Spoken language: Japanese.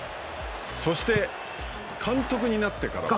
そして、監督になってから。